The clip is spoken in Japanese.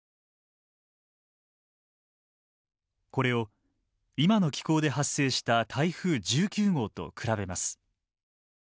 これを今の気候で発生した台風１９号と比べます。